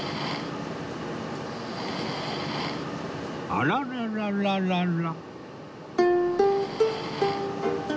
あらららららら